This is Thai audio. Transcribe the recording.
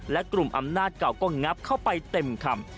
และกลุ่มอำนาจเก่าก็งับเข้าไปเต็มคำ